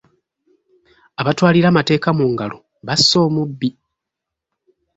Abatwalira amateeka mu ngalo basse omubbi.